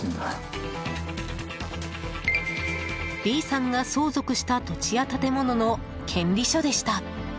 Ｂさんが相続した土地や建物の権利書でした。